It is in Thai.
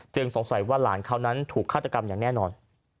สงสัยว่าหลานเขานั้นถูกฆาตกรรมอย่างแน่นอน